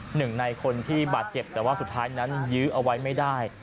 หนึ่งในคนที่บาดเจ็บแต่ว่าสุดท้ายนั้นยื้อเอาไว้ไม่ได้